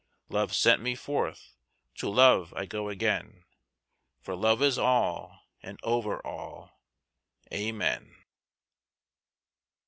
Love sent me forth, to Love I go again, For Love is all, and over all. Amen.